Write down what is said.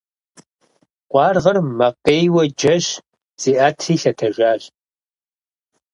Къуаргъыр макъейуэ джэщ, зиӀэтри лъэтэжащ.